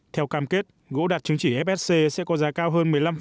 theo cam kết gỗ đạt chứng chỉ fsc sẽ có giá cao hơn một mươi năm